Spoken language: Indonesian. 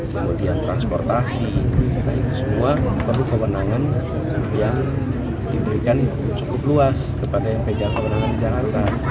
kemudian transportasi itu semua perlu kewenangan yang diberikan cukup luas kepada yang pegang kewenangan di jakarta